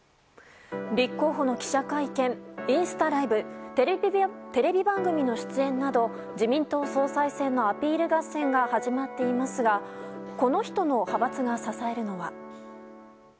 立候補の記者会見インスタライブテレビ番組の出演など自民党総裁選のアピール合戦が始まっていますがこの人の派閥が支えるのは。